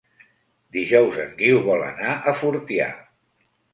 Dijous en Guiu vol anar a Fortià.